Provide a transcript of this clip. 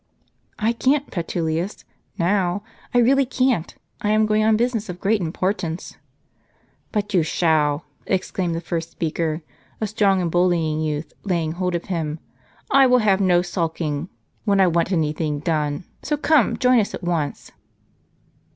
"I can't, Petilius, now; I really can't. lam going on business of great importance." "But you shall," exclaimed the first speaker, a strong and bullying youth, laying hold of him. " I will have no sulking, Avhen I want any thing done. So come, join us at once."